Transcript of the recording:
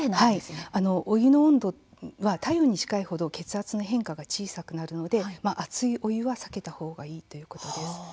お湯の温度というのは体温に近いほど血圧の変化が小さくなるので熱いお湯は避けたほうがいいということです。